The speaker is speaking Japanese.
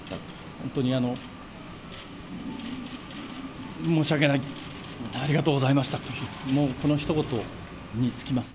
本当に申し訳ない、ありがとうございましたという、もう、このひと言に尽きます。